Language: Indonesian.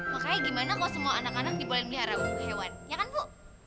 makanya gimana kalau semua anak anak diperboleh hewan ya kan bu